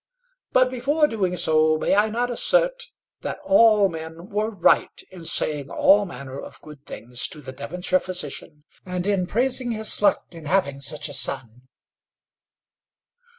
But before doing so, may I not assert that all men were right in saying all manner of good things to the Devonshire physician, and in praising his luck in having such a son?